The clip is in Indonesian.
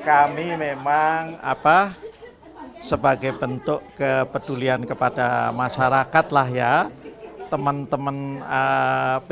kami memang apa sebagai bentuk kepedulian kepada masyarakat lah ya temen temen tiga